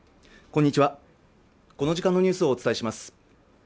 こんにちはこの時間のニュースをお伝えします